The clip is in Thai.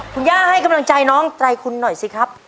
คุณย่าให้กำลังใจน้องไตรคุณหน่อยสิครับ